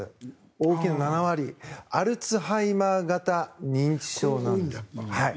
大きな７割アルツハイマー型認知症です。